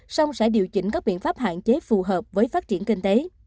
song sẽ điều chỉnh các biện pháp hạn chế phù hợp với phát triển kinh tế